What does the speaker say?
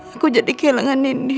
aku jadi kehilangan ini